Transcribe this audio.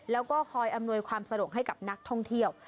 แล้วก็คอยอำนวยความสะดวกให้กับนักท่องเที่ยว